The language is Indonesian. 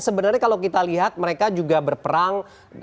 sebenarnya kalau kita lihat mereka juga berperang